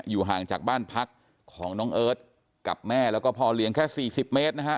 ห่างจากบ้านพักของน้องเอิร์ทกับแม่แล้วก็พ่อเลี้ยงแค่๔๐เมตรนะฮะ